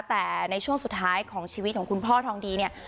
แต่ในช่วงสุดท้ายของชีวิตของคุณพ่อทองดีเนี่ย